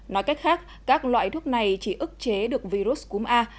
nói cách khác các loại thuốc này chỉ ức chế được virus cúm a